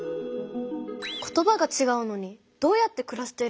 言葉がちがうのにどうやってくらしてるのかな？